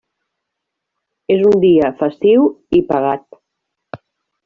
És un dia festiu i pagat.